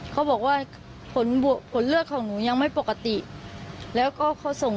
ก็บอกว่าหนูไม่เป็น